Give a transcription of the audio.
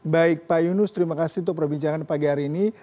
baik pak yunus terima kasih untuk perbincangan pagi hari ini